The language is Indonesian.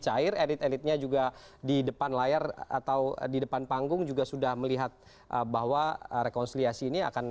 cair edit edit nya juga di depan layar atau di depan panggung juga sudah melihat bahwa rekonsiliasi